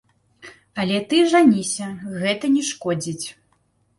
Але ты жаніся, гэта не шкодзіць.